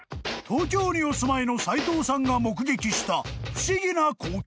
［東京にお住まいの斎藤さんが目撃した不思議な光景］